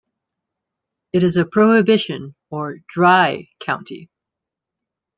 It is a prohibition, or "dry", county.